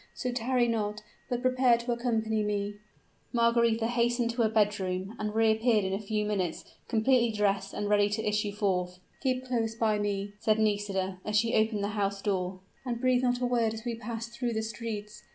So tarry not, but prepare to accompany me." Margaretha hastened to her bedroom, and reappeared in a few minutes, completely dressed and ready to issue forth. "Keep close by me," said Nisida, as she opened the house door; "and breathe not a word as we pass through the streets.